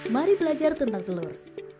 mari belajar tentang telur